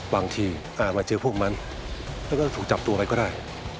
บางทีอาจมาเจอพวกมันแล้วก็ถูกจับตัวอะไรก็ได้